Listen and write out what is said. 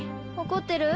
怒ってる？